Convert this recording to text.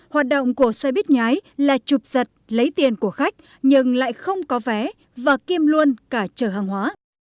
hoạt động của xe bít nhái là chụp giật lấy tiền của khách nhưng lại không có vé và kiêm luôn cả trở hàng hóa